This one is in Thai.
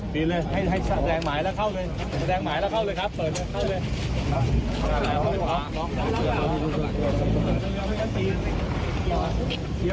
ปีนเลยให้แสดงหมายแล้วเข้าเลย